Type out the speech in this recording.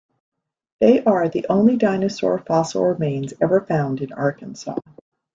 They are the only dinosaur fossil remains ever found in Arkansas.